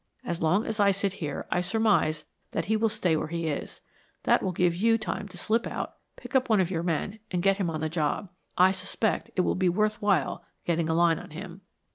"As long as I sit here I surmise that he will stay where he is. That will give you time to slip out, pick up one of your men, and get him on the job. I suspect it will be worth while getting a line on him."